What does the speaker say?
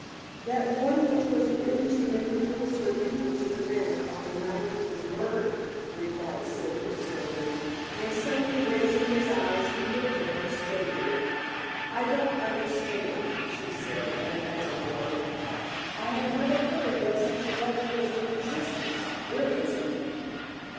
"That one which was written to inveigle Sir Hubert to The Manor on the night he was murdered," replied Silver slowly, and suddenly raising his eyes he looked at her straightly. "I don't understand," she said in a puzzled way. "I have never heard that such a letter was in existence. Where is it?"